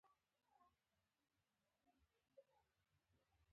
وسله د ترهګرۍ لپاره هم کارېدلې